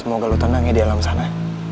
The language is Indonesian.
semoga lu tenang ya di alam sana